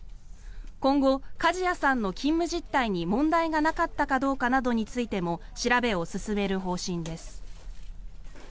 今後、梶谷さんの勤務実態に問題がなかったかどうかなどについても調べを進める方針です。